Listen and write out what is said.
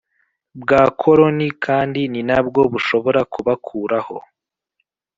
bwa koroni kandi ni na bwo bushobora kubakuraho